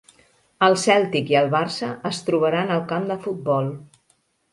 El Cèltic i el Barça es trobaran al camp de futbol